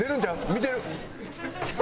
見てる！